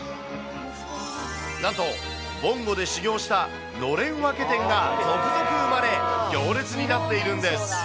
なんと、ぼんごで修業したのれん分け店が続々生まれ、行列になっているんです。